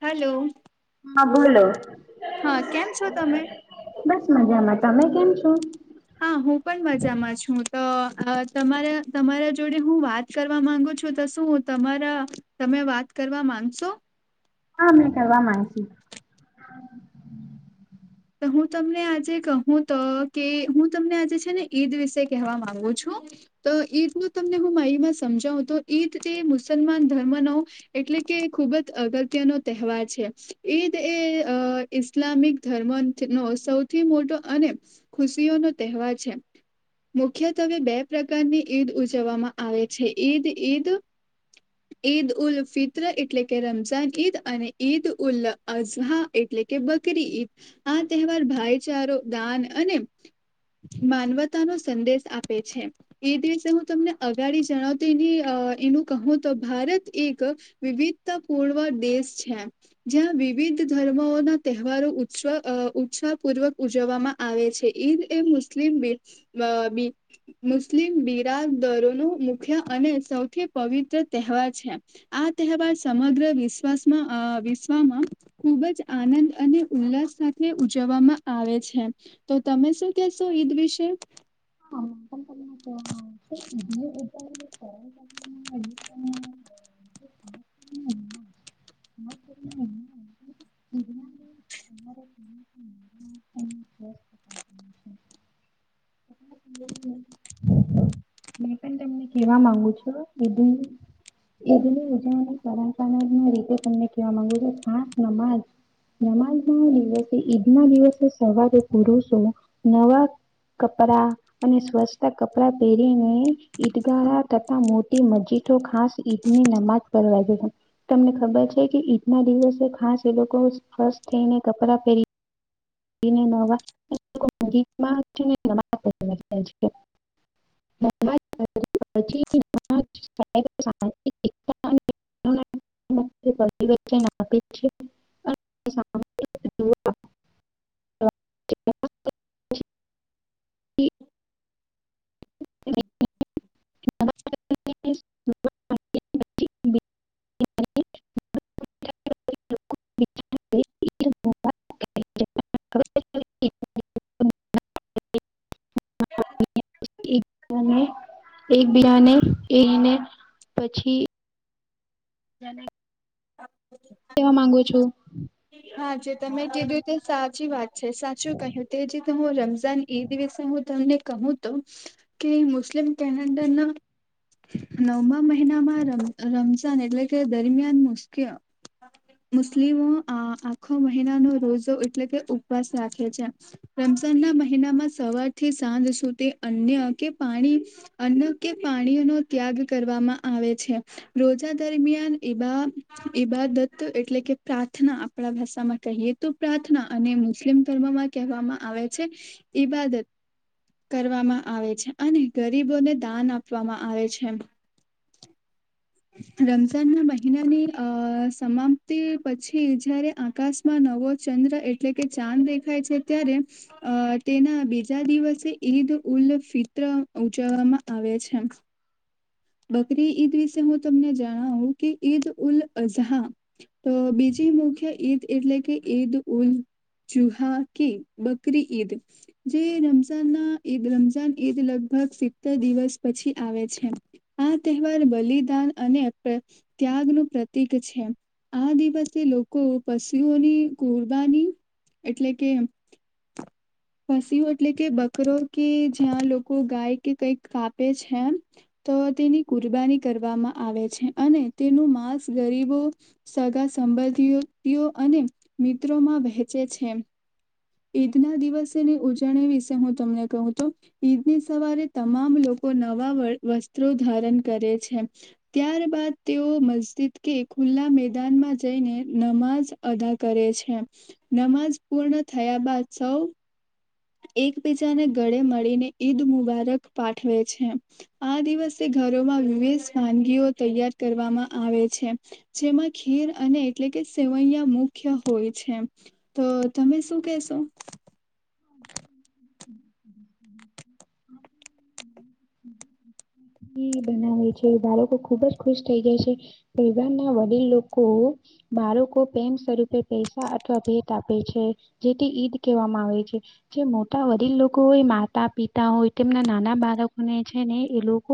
Hello. હા બોલો, કેમ છો તમે બસ મજામાં, તમે કેમ છો? હા હું પણ મજામાં છું, તો અ તમારે તમારે જોડે હું વાત કરવા માંગુ છો તો, શું તમારા તમે વાત કરવા માંગશો હા, મે કરવા માંગશું તો હું તમને આજે કહું તો કે હું તમને આજે છે, ને ઈદ વિશે કહેવા માંગુ છું તો ઈદનું તમને હું, માહિમાં સમજાઉં તો ઈદ તે મુસલમાન ધર્મનો એટલે કે ખુબ ત અગત્યનો તહેવાર છે. ઈદ એ, અ ઇસ્લામિક ધર્ મંથ નો સૌથી મોટો અને ખુશીઓ નો તહેવાર છે. મુખ્યતવે બે પ્રકારની ઈદ ઉજવવામાં આવે છે. ઈદ, ઈદ ઈદ ઉલ ફિત્ર એટલે કે રમઝાન ઈદ, અને ઈદ ઉલ અઝહા એટલે કે બકરી ઈદ આ તહેવાર ભાઈચારો, દાન અને માનવતા નો સંદેશ આપે છે. એ દિવસે હું, તમને અગાડી જણાવતો એની એનું કહું તો ભારત એક વિવિધતા પૂર્વ દેશ છે, જ્યાં વિવિધ ધર્મ ના તહેવારો ઉત્સાહ પૂર્વક ઉજવવામાં આવે છે, ઈદ એ મુસ્લિમ બીડ બ બી મુસ્લિમ બિરાદરો નો મુખ્ય અને સૌથી પવિત્ર તહેવાર છે. આ તહેવાર સમગ્ર વિશવા વાસમાં વિશ્વમાં ખૂબ જ આનંદ અને, ઉલ્લાસ સાથે ઉજવવામાં આવે છે તો તમે શું કેશો? ઈદ વિશે, હા [inaudible] [inaudible] હમ [inaudible] [inaudible] મેં પણ તમને કેવા માંગુ છો [inaudible] [inaudible] બધ એ ઉજ પરંપરા ના રીતે તમને કેવા માંગું છ ખાસ નમાજ, નમાજ ના દિવસે ઈદ ના દિવસે સવારે પુરુષો નવા, કપડા અને સ્વચ્છતા કપડા પહેરીને ઈદગાહ તથા મોટી મસ્જીદો ખાસ ઈદ ની નમાજ પડવા છે. તમને ખબર છે કે ઈદ ના દિવસે ખાસ એ લોકો સ્વચ્છ થઈને કપડાં પહેરી નવા [inaudible] [inaudible] શિક [inaudible] [inaudible] ી વચ્ચે ના આપી છે [inaudible] [inaudible] આમ હા ઓકે [inaudible] [inaudible] હ [inaudible] [inaudible] [inaudible] [inaudible] [inaudible] [inaudible] [inaudible] [inaudible] એક બિજાને [inaudible] [inaudible] એને પછી. કેવા માંગુ છું. હા જે તમે કીધું તે સાચી વાત છે સાચું કહ્યું તે જે ત હું રમઝાન એ દિવસે હું તમને કહું તો કે મુસ્લિમ કેલેન્ડરના. નવમા મહિનામાં રમ રમઝાન એટલે દરમિયાન મુસ્કે મુસ્લિમો, આ આખો મહિના નો રોજો એટલે કે ઉપવાસ રાખે છે. રમઝાન ના મહિનામાં સવારથી સાંજ સુધી અન્ય કે પાણી. અન્ન કે પાણી નો ત્યાગ કરવામાં આવે છે. રોજા દરમિયાન ઈબા ઈબા દત એટલે કે પ્રા પ્રાર્થના આપણા ભાષા માં કહીએ તો પ્રાર્થના અને મુસ્લિમ ધર્મમાં કહેવામાં આવે છે, ઈબાદત કરવામાં આવે છે અને ગરીબોને દાન આપવામાં આવે છે એમ. રમઝાન ના મહિનાની અ સમાપ્તિ પછી જયારે આકાશ. માં નવો ચંદ્ર એટલે કે ચાંદ દેખાય છે ત્યારે, અ તેના બીજા દિવસે ઈદ ઉલ ફિત્ર ઉજવવામાં આવે છે. બકરી ઈદ વિશે હું તમને જણાવું કે ઈદ ઉલ અઝહા. તો બીજી મુખ્ય ઈદ એટલે કે ઈદ ઉલ, જુહા કે બકરી ઈદ. જે રમઝાન ના ઈદ રમઝાન ઈદ લગભગ સિત્તેર દિવસ પછી આવે છે. આ તહેવાર બલિદાન અને ત્યાગનું પ્રતીક છે. આ દિવસે લોકો પશુઓની કુરબાની એટલે કે, પશશઓ એટલે કે બકરો કે જ્યાં લોકો ગાય કે કંઈક કાપે છેમ, તો તેની કુરબાની કરવામાં આવે છે અને તેનું માંસ ગરીબો. સગા સંબંધીઓ અને મિત્રોમાં વહેંચે છે ઈદના દિવસેની ઉજવણી વિશે હું તમને કહું તો ઈદની સવારે તમામ લોકો નવા વસ્ત્રો ધારણ કરે છે ત્યાર બાદ તેઓ મસ્જિદ કે ખુલ્લા મેદાનમાં જઈને નમાજ અદા કરે છે નમાજ પૂર્ણ થયા બાદ સૌ એકબીજાને ગળે મળીને ઈદ મુબારક પાઠવે છે આ દિવસે ઘરોમાં વિવિધ વાનગીઓ તૈયાર કરવામાં આવે છે જેમાં ખીર અને એટલે કે સેવૈયા મુખ્ય હોય છે તો તમે શું કેશો હમ્મ હ હ હ હમ્મ એ બનાવે છે બાળકો ખુબજ ખુશ થઈ જાય છે [unintelligible] ના વડીલ લોકો બાળકો પ્રેમ સ્વરૂપે પૈસા અથવા ભેટ આપે છે જેથી ઈદ કહેવામાં આવે છે જે મોટા વડીલ લોકો હોય માતા પિતા હોય તેમના નાના બાળકોને છે ને એ લોકો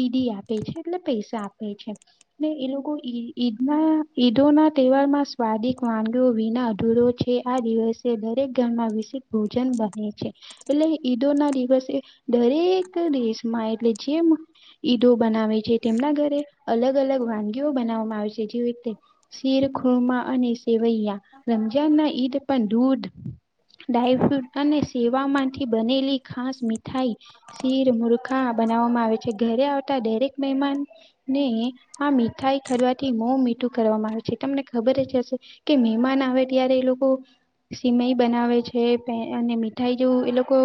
ઈદી આપે છે એટલે પૈસા આપે છે ને એ લોકો ઈ ઈદના ઈદો ના તહેવાર માં સ્વાદિક વાનગીઓ વિના અધૂરો છે આ દિવસે દરેક ઘરમાં વિષેક ભોજન બને છે એટલે ઈદો ના દિવસે દરેક દેશમાં એટલે જેમ ઈદો બનાવે છે તેમના ઘરે અલગ અલગ વાનગીઓ બનાવવામાં આવે છે જેવી રીતે શિર ખુરમા અને સેવૈયા રમઝાન ના ઈદ પણ દૂધ ડાયફ્રૂટ અને સેવામાંથી બનેલી ખાસ મીઠાઈ શીર મુૂર્ખા બનાવવામાં આવે છે ઘરે આવતા દરેક મહેમાન ને આ મીઠાઈ ખરવા થી મો મીઠું કરવામાં આવે છે તમને ખબર જ હશે કે મહેમાન આવે ત્યારે એ લોકો સિમય બનાવે છે અને મીઠાઈ જેવું એ લોકો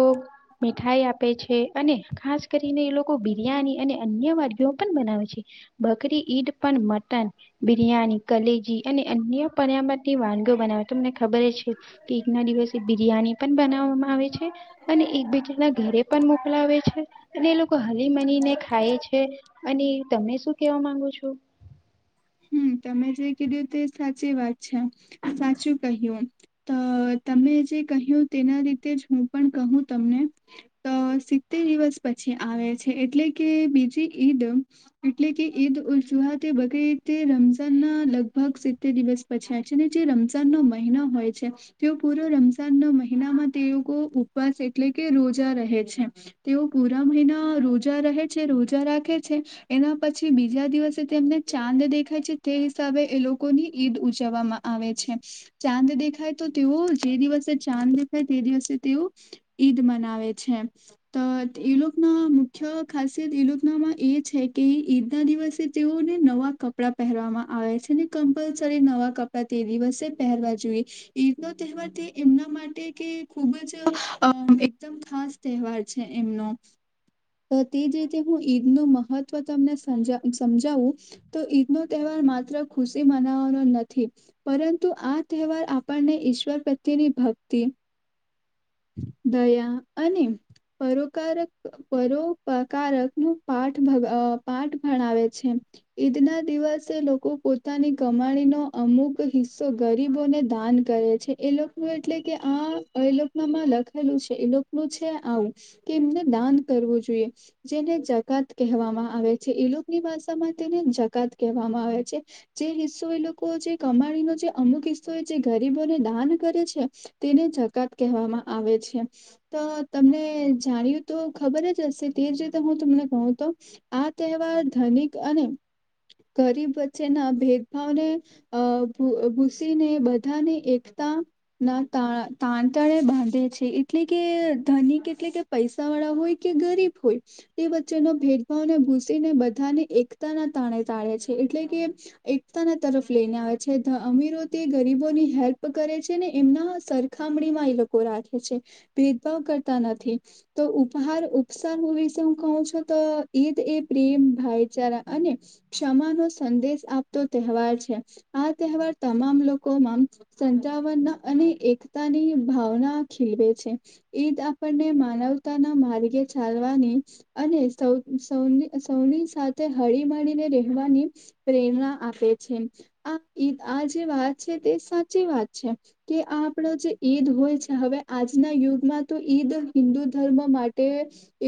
મીઠાઈ આપે છે અને ખાસ કરીને એ લોકો બિરિયાની અને અન્ય વાનગી ઓ પણ બનાવે છે બકરી ઈદ પણ મટન બિરિયાની કલેજી અને અન્ય પરમની વાનગી ઓ બનાવે તમને ખબર છે એક ના દિવસે બિરિયાની પણ બનાવવામાં આવે છે અને એકબીજા ના ઘરે પણ મોકલાવે છે અને એ લોકો હલી મની ને ખાય છે અને તને શું કેવા માંગુ છો હમ્મ તમે જે કીધું તે સાચી વાત છે સાચું કહ્યું અ તમે જે કહ્યું તેના રીતે જ હું પણ કહું તમને અ સિત્તેર દિવસ પછી આવે છે એટલે કે બીજી ઈદ એટલે કે ઈદ ઉલજુહા તે બકરી ઇદ તે રમઝાન ના લગભગ સિત્તેર દિવસ પછાય છે ને જે રમઝાનનો મહિનો હોય છે તેઓ પૂરો રમઝાન ન મહિનામાં તે લોકો ઉપવાસ એટલે કે રોજા રહે છે તેઓ પૂરા મહિના રોજા રહે છે રોજા રાખે છે એના પછી બીજા દિવસે તેમને ચા ચાંદ દેખાય છે તે હિસાબે એ લોકોની ઈદ ઉજવવામાં આવે છે ચાંદ દેખાય તો તેઓ જે દિવસે ચાંદ દેખાય તે દિવસે તેઓ ઈદ મનાવે છે તો એલોકના મુખ્ય ખાસિયત લોનામાં એ છે કે ઈદ ના દિવસે તેઓને નવા કપડાં પહેરવામાં આવે છે ને કમ્પલસરી નવા કપડાં તે દિવસે પહેરવા જોઈએ ઈદ નો તહેવાર તે એમના માટે કે ખુબ જ અ અમ એકદમ ખાસ તહેવાર છે એમનો તો તે જ રીતે હું ઈદ નું મહત્વ તમને સંજા સમજાવું તો ઈદ નો તહેવાર માત્ર ખુશી મનાવાનો નથી. પરંતુ આ તહેવાર આપણને ઈશ્વર પ્રત્યેની ભક્તિ, દયા અને પરોકારક પરોપકારક નું પાઠ અ પાઠ ભણાવે છે. ઈદ ના દિવસે લોકો પોતાની કમાણીનો અમુક હિસ્સો ગરીબોને દાન કરે છે. એ લોકોનું એટલે કે આ એ લોકનામાં લખેલું છે. એ લોકોનું છે આવુ કે એમને દાન કરવું જોઈએ જેને જકાત કહેવામાં આવે છે. એ લોક ની ભાષામાં તેને જકાત કહેવામાં આવે છે. જે હિસ્સો એ લોકો જે કમાણીનો જે અમુક હિસ્સો એ જે ગરીબોને દાન કરે છે. તેને જકાત કહેવામાં આવે છે. તો તમને જાણ્યું તો ખબર જ હશે તેજ રીતે હું તમને કહું તો આ તહેવાર ધનિક અને ગરીબ વચ્ચેના ભેદભાવને અ ભૂ ભૂસીને બધાની એકતા ના ત [unintelligible] તાણ તણે બાંધે છે એટલે કે ધનિક એટલે કે પૈસાવાળા હોય કે ગરીબ હોય તે વચ્ચેનો ભેદભાવને ભૂસીને બધાને એક એકતા ના તણે તાળે છે એટલે કે એકતાના તરફ લઈને આવે છે ધ અમીરો તે ગરીબોની હેલ્પ કરે છે ને એમના હ સર ખમણીમાં એ લોકો રાખે છે ભેદભાવ કરતા નથી. તો ઉપહાર, ઉપસાહ [unintelligible] વિશે હું કહઉ છું તો ઈદ એ પ્રેમ ભાઈચારા અને ક્ષમા નો સંદેશ આપતો તહેવાર છે. આ તહેવાર તમામ લોકોમાં સંજાવનના અને એકતાની ભાવના ખીલવે છે. ઈદ આપણને માનવતાનાં માર્ગે ચાલવાની અને સૌ સ [unintelligible] સૌની સાથે હળી માળીને રહેવાની પ્રેરણા આપે છે આ ઈ આજે વાત છે તે સાચી વાત છે. કે આ આપણો જે ઈદ હોય છે. હવે આજના યુગમાં તો ઈદ હિન્દુ ધર્મ માટે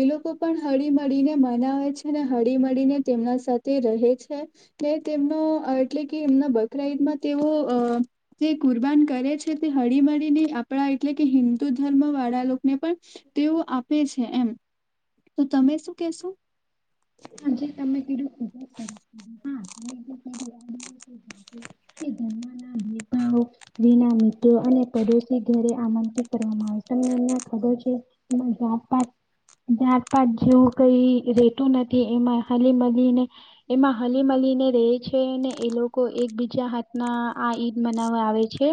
એ લોકો પણ હળી મળીને મનાવે છે. અને હળી મળીને તેમના સાથે રહે છે. કે તેમનો એટલે કે એમના બકરા ઈદમાં તેઓ અ જે કુરબાન કરે છે તે હળી મળીને આપણા એટલે કે હિન્દુ ધર્મ વાળા લોકને પણ તેઓ આપે છે એમ, તો તમે શું કેશો? હા તમે કીધું ખૂબ સરસી હા [unintelligible] [inaudible] એ ધર્મના નેતાઓ વિના મિત્રો અને પડોશી ઘરે આમંત્રિત કરવામાં આવે તમને એમને ખબર છે. એમા જાત પાત જાત પાત જેવું કઈ રેતું નથી. એમાં હાળી મળી ને એમાં હળી મળીને રહે છે ને એ લોકો એકબીજા હાથના આ ઈદ મનાવવા આવે છે. છે.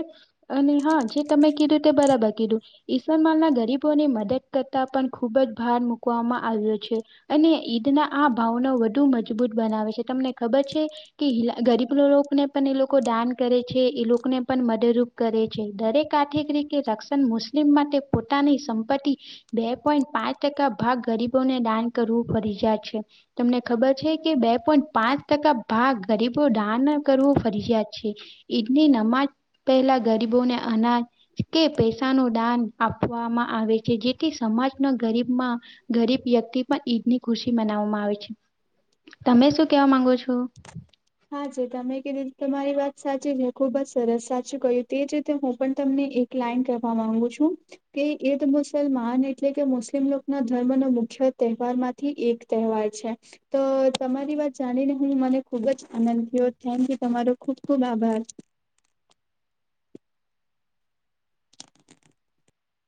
અને હા જે તમે કીધું તે બરાબર કીધું. ઈસલમાલ ના ગરીબોનો મદદ કરતા પણ ખુબ જ ભાર મૂકવામાં આવ્યો છે. અને ઈદના આ ભાવનો વધુ મજબૂત બનાવે છે. તમને ખબર છે? કે [unintelligible] ગરીબ લોકોને પણ એ લોકો દાન કરે છે એ લોકોને પણ મદદરૂપ કરે છે દરેક આર્થિક રીતે રક્ષણ મુસ્લિમ માટે પોતાની સંપત્તિ બે પોઈન્ટ પાંચ ટકા ભાગ ગરીબોને દાન કરવું ફરજિયાત જાય છે. તમને ખબર છે કે બે પોઈન્ટ પાંચ ટકા ભાગ ગરીબો દાન કરવો ફરિયાત છે. ઈદની નમાઝ પહેલા ગરીબોને અનાજ કે પૈસાનો દાન આપવામાં આવે છે જેથી સમાજનો ગરીબમાં ગરીબ વ્યક્તિ પણ ઈદ ની ખુશી મનાવવામાં આવે છે. તમે શું કેવા માંગો છો? હા છે તમે કીધી તમારી વાત સાચી છે ખુબ જ સરસ સાચું કહ્યું તે જ રીતે હું પણ તમને એક ક્લાઈમ કરવા માંગુ છું. તે ઈદ મુસલમાન એટલે કે મુસ્લિમ લોકના ધર્મનો મુખ્ય તહેવાર મા થી એક તહેવાર છે. તો તમારી વાત જાણીને હું મને ખુબ જ આનંદ થયો થેન્ક યુ તમારો ખુબ ખુબ આભાર.